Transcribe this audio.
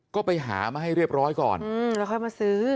ก็ไปหามาให้เรียบร้อยก่อนแล้วค่อยมาซื้อ